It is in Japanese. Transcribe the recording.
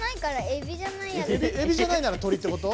エビじゃないなら鳥ってこと？